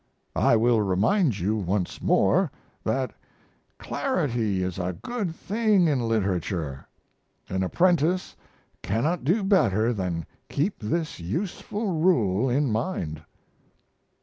I will remind you once more that clarity is a good thing in literature. An apprentice cannot do better than keep this useful rule in mind.